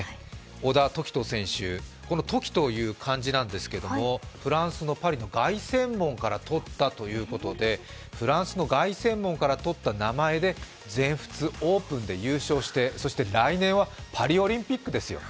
小田凱人選手、この凱という漢字なんですけどフランスのパリの凱旋門からとったということでフランスの凱旋門からとった名前で全仏オープンで優勝してそして来年はパリオリンピックですよ。